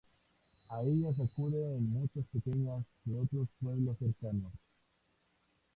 A ellas acuden muchas peñas de otros pueblos cercanos.